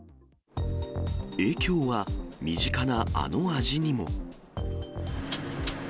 影響は身近なあの味にも。